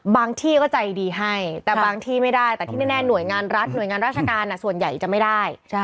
ที่ก็ใจดีให้แต่บางที่ไม่ได้แต่ที่แน่หน่วยงานรัฐหน่วยงานราชการส่วนใหญ่จะไม่ได้